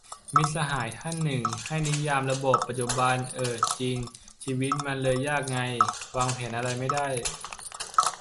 มิตรสหายท่านหนึ่ง ให้นิยามระบบปัจจุบัน เออจริง ชีวิตมันเลยยากไง วางแผนอะไรไม่ได้